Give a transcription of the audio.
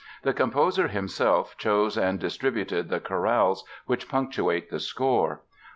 The composer himself chose and distributed the chorales which punctuate the score.